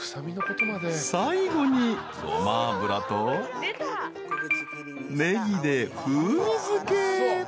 ［最後にごま油とネギで風味付け］